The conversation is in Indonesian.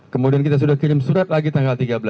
kemudian kita sudah kirim surat lagi tanggal tiga belas